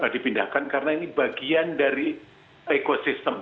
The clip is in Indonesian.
dipindahkan karena ini bagian dari ekosistem